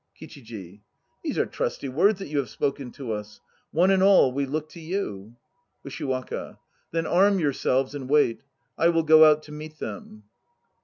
KICHIJI. These are trusty words that you have spoken to us. One and all we look to you. ... USHIWAKA. Then arm yourselves and wait. I will go out to meet them.